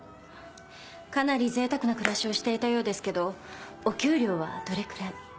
かなり贅沢な暮らしをしていたようですけどお給料はどれくらい？